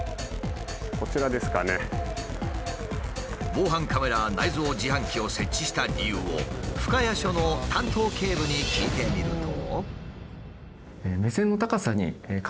防犯カメラ内蔵自販機を設置した理由を深谷署の担当警部に聞いてみると。